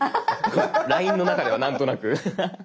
ＬＩＮＥの中ではなんとなく。